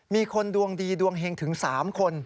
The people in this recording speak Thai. มีคนดวงดีดวงเห็งถึง๓คน